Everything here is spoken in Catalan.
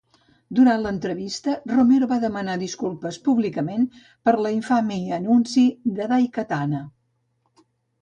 Durant l'entrevista, Romero va demanar disculpes públicament per l'infame anunci de "Daikatana".